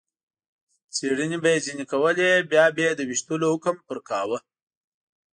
څېړنې به یې ځنې کولې، بیا به یې د وېشتلو حکم پرې کاوه.